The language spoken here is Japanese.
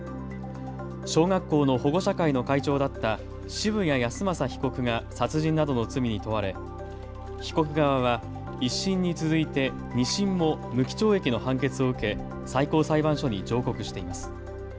小学校の保護者会の会長だった澁谷恭正被告が殺人などの罪に問われ、被告側は１審に続いて２審も無期懲役の判決を受け最高裁判所に上告しています。